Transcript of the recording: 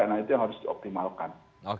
nah itu yang harus dioptimalkan